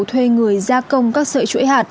thuê người gia công các sợi chuỗi hạt